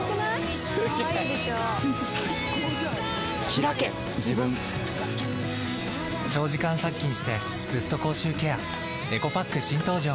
ひらけ自分長時間殺菌してずっと口臭ケアエコパック新登場！